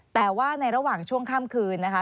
แต่ว่าในระหว่างช่วงข้ามคืนนะคะ